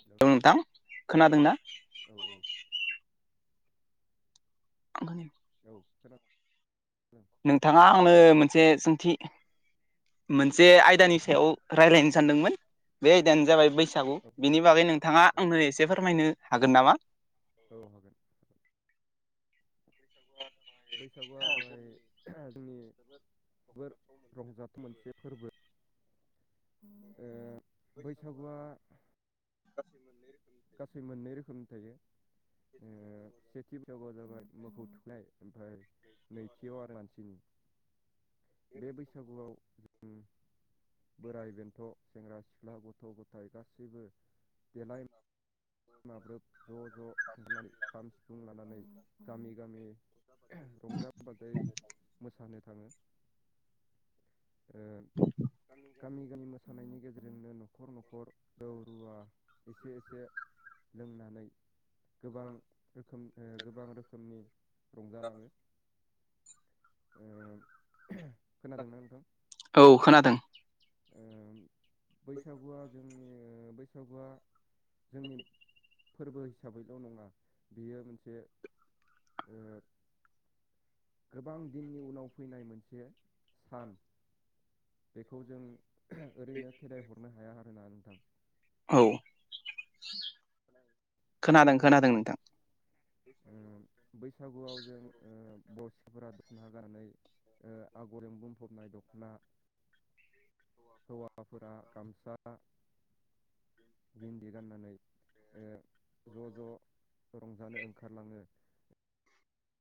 हेल' औ नोंथां औ खोनादोंना? औ औ [inaudible] औ खोना नोंथाङा आंनो औ मोनसे सोंथि मोनसे आयदानि सायाव रायज्लायनो सानदोंमोन बे आयदायानो जाबाय बै बैसागु औ बिनि बागै नोंथाङा आंनो एसे फोरमायनो हागोन नामा? औ हागोन बैसागुआ जाबाय जोंनि जोबोद रंजाथाव मोनसे फोरबो [unintelligible] ओ बैसागुआ [inaudible] गासै मोननै रोखोमनि थायो ओ सेथि बैसागुआव जाबाय मोखौ थुखैनाय। ओमफ्राय नैथियाव आरो मानसिनि बे बैसागुआव जों बोराइ बेन्थ' सेंग्रा सिख्ला गथ' गथाय गासैबो देलाय माब्रोब ज' ज' ओंखारनानै खाम सिफुं लानानै गामि गामि [unintelligible] रंजा बाजायै मोसानो थाङो। ओ गामि गामि मोसानायनि गेजेरजोंनो न' नखर नखर जौ रुवा एसे एसे लोंनानै गोबां रोखोम गोबां रोखोमनि रंजालाङो। ओ खोनादोंना नोंथां? औ खोनादों ओ बैसागुआ जोंनि ओ बैसागुआ जोंनि फोरबो हिसाबैल' नङा बियो मोनसे ओ गोबां दिननि उनाव फैनाय मोनसे सान। बेखौ जों ओरैनो खेदाय हरनो हाया आरोना नोंथां। औ खोनादों खोनादोंना खोनादों नोंथां? ओ बैसागुआव जों ओ बर' सिख्लाफोरा दखना गाननानै ओ आगरजों बुंफबनाय दखना। हौवाफोरा गामसा गिन्दि गाननानै ओ ज' ज' रंजानो ओंखारलाङो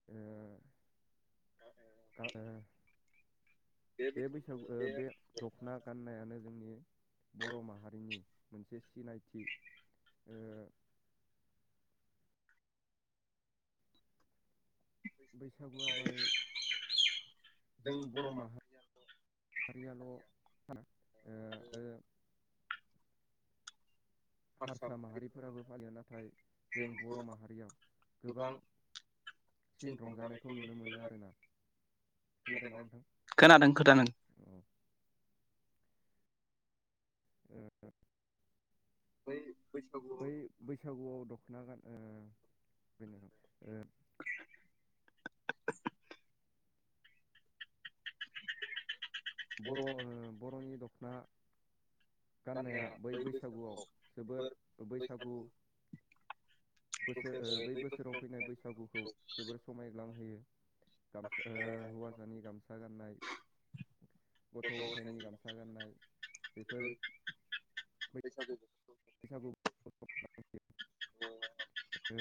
ओ आ ओ बे बैसागु बे दखना गाननायानो जोंनि बर' माहारिनि मोनसे सिनायथि ओ बैसागुआ बारबाय जों बर' माहारि हारियाल' साना ओ आरो [unintelligible] हारसा माहारिफोराबो फालियो नाथाय जों बर' माहारियाव गोबां सिन रंजानायखौ नुनो मोनो आरोना खोनादोंना नोंथां? खोनादों खोनादों औ। ओ बै बैसागु बै बैसागुआव दखना गान ओ ओ बर'ओ बर'नि दखना गाननाया बै बैसागुआव जोबोर बैसागु बोसोर ओ बै बोसोराव फैनाय बैसागुखौ जोबोर समायग्लांहोयो। गामसा ओ हौवा सानि गामसा गाननाय गथ' गथायनि गामसा गाननाय बेफोर [unintelligible] बैसागु [unintelligible] ओ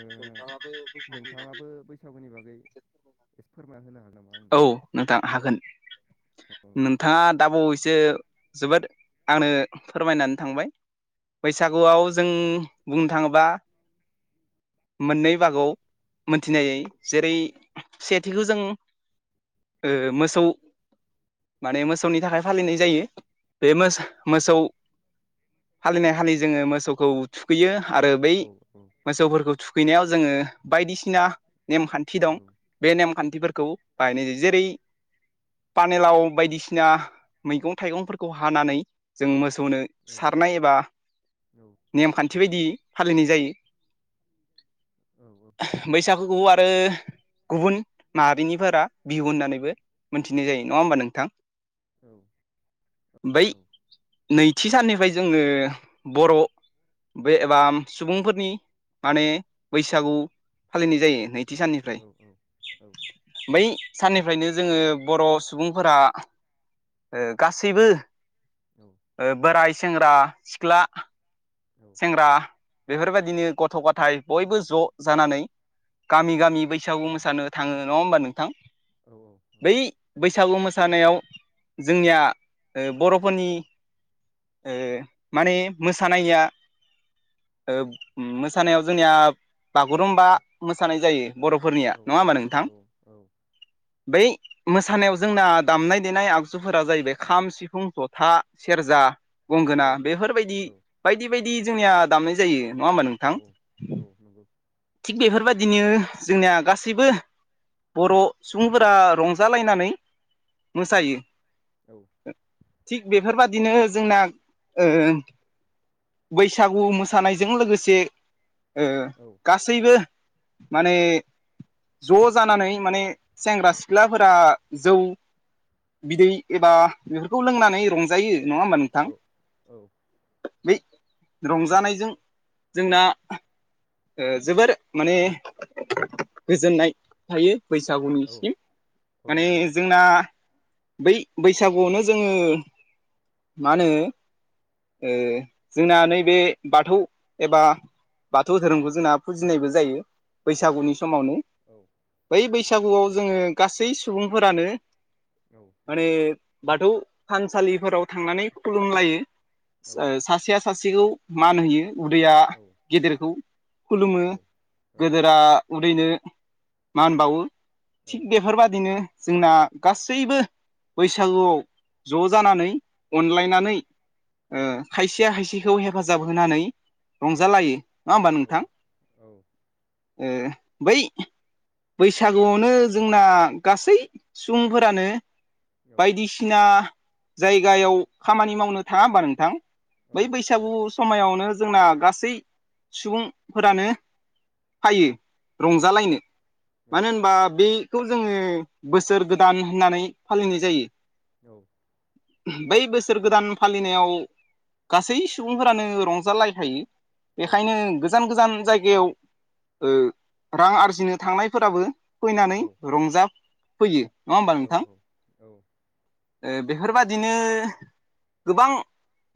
नोंथाङाबो बै सागुनि बागै फोरमान होनो हागोन नामा? औ नोंथां हागोन आंनो नों थाङा दाबाव एसे जोबोद आंनो फोरमायनानै थांबाय। बैसागुआव जों बुंनो थाङोबा मोननै बाहागोयाव मोनथिनाय जायो जेरै सेथिखौ जों ओ मोसौ माने मोसौनि थाखाय फालिनाय जायो बे मोसौ हालिनाय हालि जोङो मोसौखौ थुखैयो आरो बै औ मोसौफोरखौ थुखैनायाव जोङो बायदिसिना नेमखान्थि दं औ बे नेमखान्थिफोरखौ बाहायनाय जायो जेरै पानेलाव बायदिसिना मैगं थाइगंफोरखौ हानानै जों मोसौनो सारनाय एबा औ नेम खान्थि बायदि फालिनाय जायो। औ औ। बैसागुखौ आरो गुबुन माहारिनिफोरा बिहु होननानैबो मोनथिनाय जायो नङा होमबा नोंथां। औ। बै औ नैथि साननिफ्राय जोङो बर' बे एबा सुबुंफोरनि माने बैसागु फालिनाय जायो नै थि साननिफ्राय बै साननिफ्रायनो जोङो बर' सुबुंफोरा गासैबो बोराय सेंग्रा-सिख्ला सेंग्रा बेफोरबायदिनो गथ' गथाय बयबो ज' जानानै गामि गामि बैसागु मोसानो थाङो नङा होमबा नोंथां। बै औ। बैसागु मोसानायाव जोंनिया बर'फोरनिया ओ माने मोसानाया मोसानायाव जोंनिया बागुरुमबा मोसानाय जायो। बर'फोरनिया औ नङा होमबा नोंथां बै मोसानायाव जोंना दामनाय देनाय आगजुफोरा जाहैबाय खाम सिफुं जथा सेरजा गंगोना बेफोरबायदि नंगौ बायदि बायदि जोंनिया दामनाय जायो नङा होमबा नों औ औ नंगौ थिग बेफोरबायदिनो जोंनिया गासैबो बर' सुबुंफोरा रंजालायनानै औ मोसायो। थिग बेफोरबादिनो जोंना ओ बैसागु मोसानायजों लोगोसे ओ गासैबो माने ज' जानानै माने सेंग्रा सिख्लाफोरा जौ बिदै एबा बेफोरखौ लोंनानै रंजायो नङा होमब नों औ औ बै रंजानायजों जोंना जोबोर माने गोजोननाय थायो औ बैसागुनिसिम औ माने नंगौ नोंथां जोंना बै बैसागुआवनो जोङो मा होनो ओ जोंना नैबे बाथौ एबा बाथौ धोरोमखौ जोंना फुजिनायबो जायो औ बैसागुनि समावनो। औ बै बैसागुआव जोङो गासै सुबुंफोरानो औ माने बाथौ थानसालिफोराव थांनानै खुलुमलायो औ सासेया सासेखौ मान होयो उनदैया औ गेदेरखौ खुलुमो औ गोदोरा उनदैनो मा बावो थिग बेफोरबादिनो जोंना गासैबो बैसागुआव ज' जानानै औ नंगौ औ अनलायनानै औ औ खायसेया खायसेखौ हेफाजाब होनानै रंजालायो नङा होमबा नों औ औ ओ बै बैसागुआवनो जोंना गासै सुबुंफोरानो बायदिसिना जायगायाव खामानि मावनो थाङा होमबा नोंथां बै औ बैसागु समायावनो जोंना गासै सुबुं फोरानो फायो रंजालायनो मानो होनबा बे खौ जोङो बोसोर गोदान होननानै फालिनाय जायो औ बै बोसोर गोदान फालिनायाव गासै सुबुंफोरानो रंजालायखायो बेखायनो गोजान गोजान जायगायाव रां आरजिनो थांनायफोराबो फैनानै रंजाफैयो नङा होमबा नोंथां बेफोरबादिनो गोबां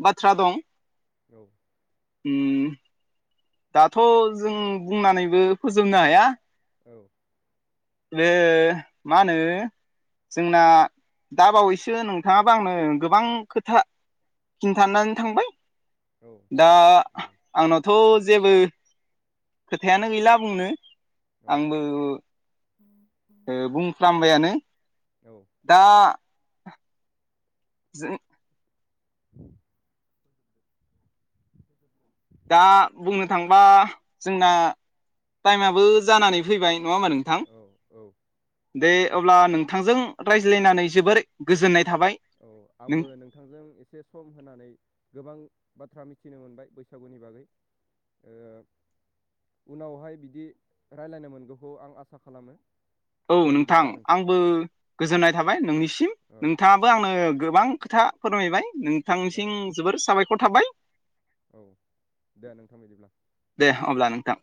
बाथ्रा दं औ उम दाथ' जों बुंनानैबो फोजोबनो हाया औ बे मा होनो जोंना दा बावैसो नोंथाङाबो आंनो गोबां खोथा खिन्थानानै थांबाय दा आंनावथ' जेबो खोथायानो गैला बुंनो आंबो बुंफ्रामबायानो औ दा जों [inaudible] दा बुंनो थांबा जोंना टाइमाबो जानानै फैबाय नङा होमबा नों औ औ दे अब्ला नोंथांजों रायज्लायनानै जोबोर गोजोननाय थाबाय औ आंबो नों थांजों एसे सम होनानै गोबां बाथ्रा मिथिनो मोनबाय बैसागुनि बागै ओ उनावहाय बिदि रायलायनो मोनगौखौ आं आसा खालामो औ दे नोंथां बिदिब्ला आंबो गोजोननाय थाबाय नोंनिसिम औ नोंथाङा बो आंनो गोबां खोथा फोरमायबाय औ नोंथांसिम जोबोर साबायखर थाबाय औ दे नोंथां बिदिब्ला दे अब्ला नोंथां